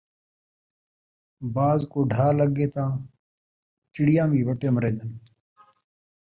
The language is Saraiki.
باز کوں ڈھا لڳے تاں چڑیاں وی وٹے مریندین